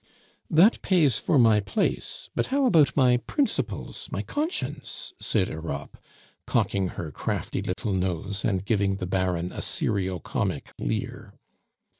"That pays for my place, but how about my principles, my conscience?" said Europe, cocking her crafty little nose and giving the Baron a serio comic leer.